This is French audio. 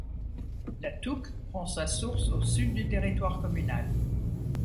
La Touques prend sa source au sud du territoire communal.